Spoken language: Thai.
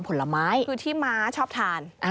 ผลไม้คือที่ม้าชอบทาน